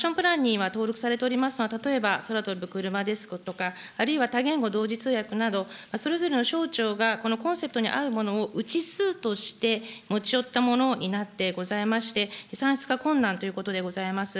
このアクションプランには登録されておりますが、例えば、空飛ぶクルマですとか、あるいは多言語同時通訳など、それぞれの省庁がこのコンセプトに合うものを、内数として持ち寄ったものになってございまして、算出が困難ということでございます。